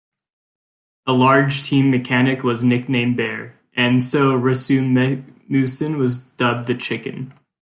A large team mechanic was nicknamed Bear, and so Rasmussen was dubbed The Chicken.